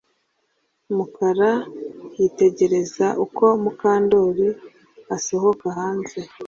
Mukara yitegereza uko Mukandoli asohoka hanze